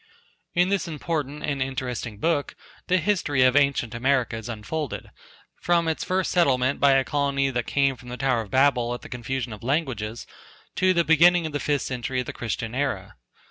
In this important and interesting book the history of ancient America is unfolded, from its first settlement by a colony that came from the Tower of Babel, at the confusion of languages to the beginning of the fifth century of the Christian era.